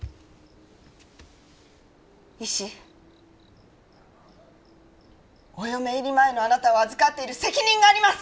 石お嫁入り前のあなたを預かっている責任があります！